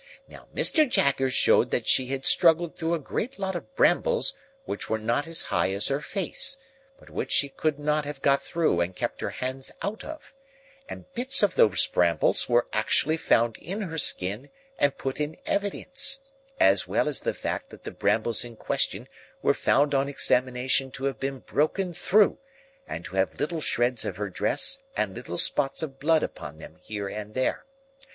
Now, Mr. Jaggers showed that she had struggled through a great lot of brambles which were not as high as her face; but which she could not have got through and kept her hands out of; and bits of those brambles were actually found in her skin and put in evidence, as well as the fact that the brambles in question were found on examination to have been broken through, and to have little shreds of her dress and little spots of blood upon them here and there.